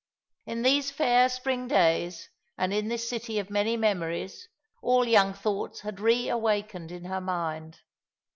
In these fair spring days, and in this city of many memories, all young thoughts had re awakened in her mind.